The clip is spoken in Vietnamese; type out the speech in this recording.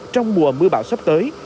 trong mùa mưa bão sắp tới